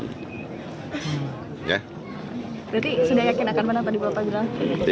berarti sudah yakin akan menang tadi bapak bilang